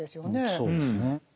そうですね。